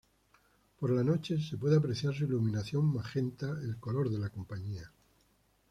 Por la noche se puede apreciar su iluminación magenta, el color de la compañía.